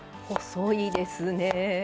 細いですね。